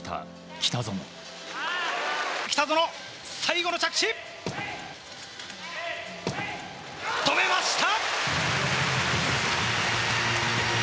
北園、最後の着地止めました！